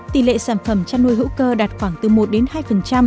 tỷ lệ sản phẩm chăn nuôi hữu cơ đạt khoảng từ một đến hai